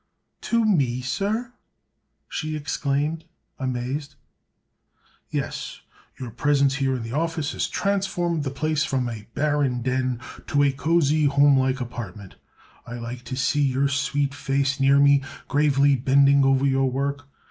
"To me, sir!" she exclaimed, amazed. "Yes. Your presence here in the office has transformed the place from a barren den to a cozy, homelike apartment. I like to see your sweet face near me, gravely bending over your work.